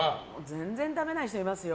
全然食べない人いますよ。